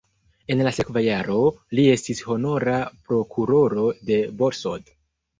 En la sekva jaro li estis honora prokuroro de Borsod.